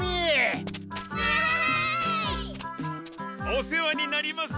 お世話になります。